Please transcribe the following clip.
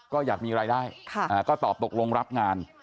ก็อยากมีรายได้ก็ตอบตกลงรับงาน